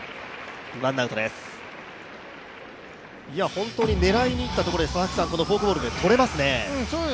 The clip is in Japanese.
本当に狙いにいったところでフォークボールで三振とれますね。